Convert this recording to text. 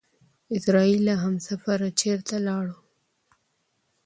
اعزرائيله همسفره چېرته لاړو؟!